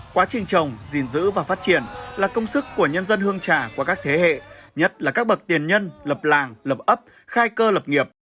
quá trình trồng gìn giữ và phát triển là công sức của nhân dân hương trà qua các thế hệ nhất là các bậc tiền nhân lập làng lập ấp khai cơ lập nghiệp